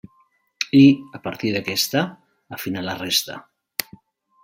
I, a partir d'aquesta, afina la resta.